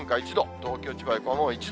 東京、千葉、横浜も１度。